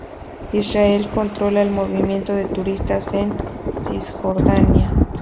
Israel controla el movimiento de turistas en Cisjordania.